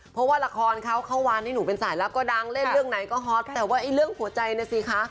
เพราะว่าละครเขาเข้าวานให้หนูเป็นสายลับก็ดังเล่นเรื่องไหนก็ฮอตแต่ว่าไอ้เรื่องหัวใจน่ะสิคะ